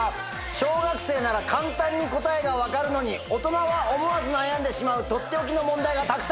小学生なら簡単に答えが分かるのに大人は思わず悩んでしまうとっておきの問題がたくさん！